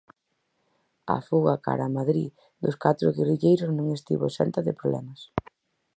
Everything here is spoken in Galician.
A fuga cara a Madrid dos catro guerrilleiros non estivo exenta de problemas.